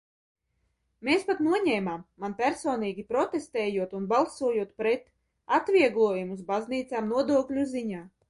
"Mēs pat noņēmām, man personīgi protestējot un balsojot "pret", atvieglojumus baznīcām nodokļu ziņā."